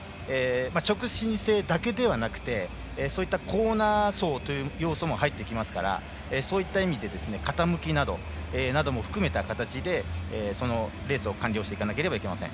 直進性だけではなくてコーナー走という要素も入ってきますからそういった意味で傾きなども含めた形でレースを完了しなければいけません。